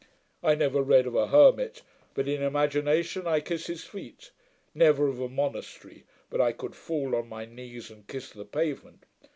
I never read of a hermit, but in imagination I kiss his feet; never of a monastery, but I could fall on my knees, and kiss the pavement.